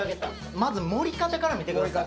まず盛り方から見てください。